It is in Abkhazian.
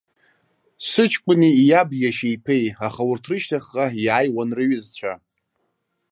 Сыҷкәыни иаб иашьа иԥеи, аха урҭ рышьҭахьҟа иааиуан рҩызцәа.